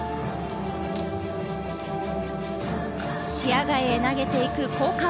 視野外へ投げていく交換。